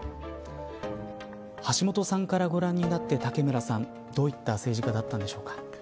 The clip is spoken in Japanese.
橋下さんからご覧になって武村さんどういった政治家だったんでしょうか。